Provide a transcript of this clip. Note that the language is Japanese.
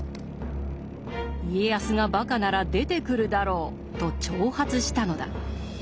「家康が馬鹿なら出てくるだろう」と挑発したのだ。